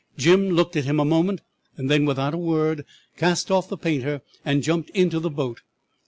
Jim looked at him a moment, and then, without a word, cast off the painter and jumped into the boat.